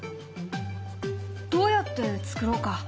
どうやって作ろうか？